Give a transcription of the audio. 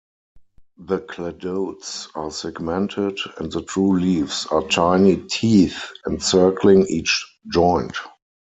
The cladodes are segmented, and the true leaves are tiny teeth encircling each joint.